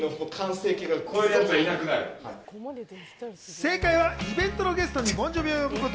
正解はイベントのゲストにボン・ジョヴィを呼ぶこと。